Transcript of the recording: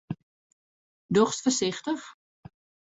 Dochst foarsichtich?